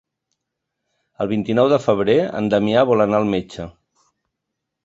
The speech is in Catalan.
El vint-i-nou de febrer en Damià vol anar al metge.